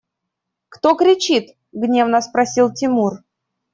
– Кто кричит? – гневно спросил Тимур.